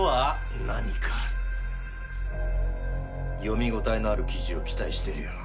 読み応えのある記事を期待してるよ。